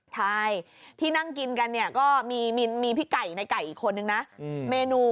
ใช่ที่นั่งกินกันเนี่ยก็มีพี่ไก่ในไก่อีกคนนึงนะเมนู